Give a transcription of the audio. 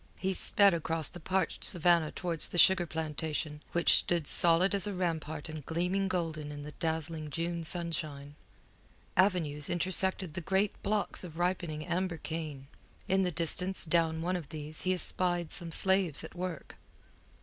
He sped across the parched savannah towards the sugar plantation which stood solid as a rampart and gleaming golden in the dazzling June sunshine. Avenues intersected the great blocks of ripening amber cane. In the distance down one of these he espied some slaves at work.